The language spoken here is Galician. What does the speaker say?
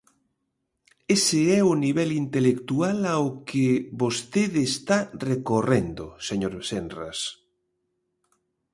Ese é o nivel intelectual ao que vostede está recorrendo, señor Senras.